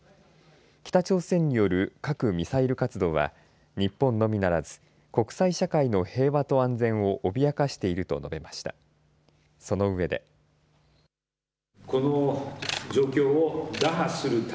北朝鮮による核・ミサイル活動は日本のみならず国際社会の平和と安全を脅かしていると述べました。